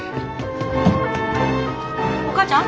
お母ちゃん？